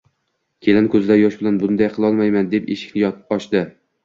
Kelin ko`zida yosh bilan bunday qilolmayman, deb eshikni ochdi